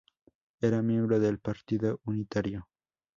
Era miembro del Partido Unitario.